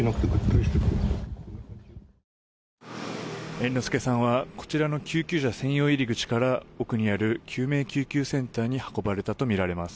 猿之助さんはこちらの救急車専用入り口から奥にある救命救急センターに運ばれたとみられます。